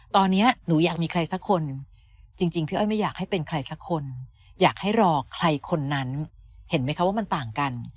ตอนนี้หนูอยากมีใครสักคนจริงพี่อ้อยไม่อยากให้เป็นใครสักคนอยากให้รอใครคนนั้นเห็นไหมคะว่ามันต่างกัน